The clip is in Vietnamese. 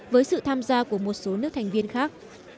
với sự tham gia của một số nước thành viên khác